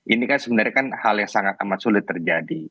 ini kan sebenarnya kan hal yang sangat amat sulit terjadi